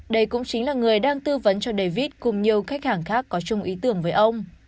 đây cũng chính là người đang tư vấn cho david cùng nhiều khách hàng khác có chung ý tưởng với ông